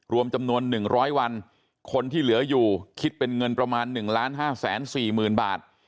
รวมจำนวน๑๐๐วันคนที่เหลืออยู่คิดเป็นเงินประมาณ๑๕๔๐๐๐บาท